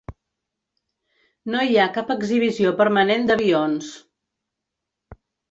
No hi cap exhibició permanent d'avions.